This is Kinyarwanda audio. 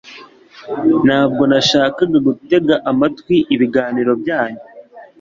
Ntabwo nashakaga gutega amatwi ibiganiro byanyu